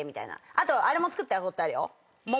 あとあれも作ったことあるよ。